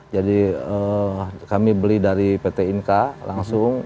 jadi kami beli dari pt inka langsung